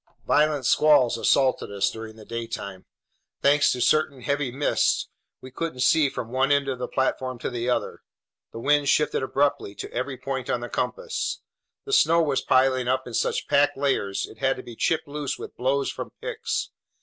Violent squalls assaulted us during the daytime. Thanks to certain heavy mists, we couldn't see from one end of the platform to the other. The wind shifted abruptly to every point on the compass. The snow was piling up in such packed layers, it had to be chipped loose with blows from picks.